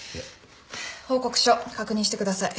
報告書確認してください。